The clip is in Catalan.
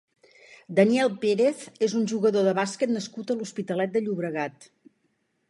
Daniel Pérez és un jugador de bàsquet nascut a l'Hospitalet de Llobregat.